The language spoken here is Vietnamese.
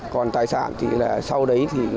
còn tài sản thì là sau đấy